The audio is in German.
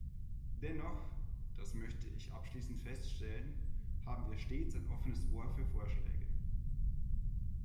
Dennoch, das möchte ich abschließend feststellen, haben wir stets ein offenes Ohr für Vorschläge.